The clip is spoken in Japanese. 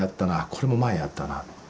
これも前やったな」。